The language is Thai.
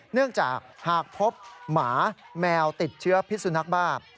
เนื่องจากหากพบหมาแมวติดเชื้อพิสุนักบ้า